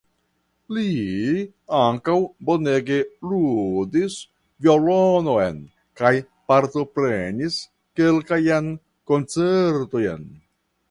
Li ankaŭ bonege ludis violonon kaj partoprenis kelkajn koncertojn.